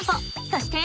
そして！